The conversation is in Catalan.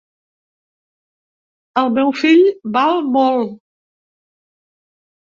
El meu fill val molt.